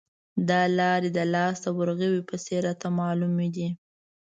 دا لارې د لاس د ورغوي په څېر راته معلومې دي.